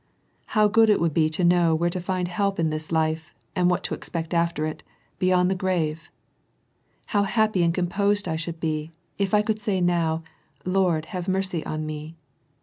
How good it would be to know where to find help in this life, and what to expect after it, — beyond the grave ! How happy and composed I should be, if I could say oow, ' Lord have mercy on me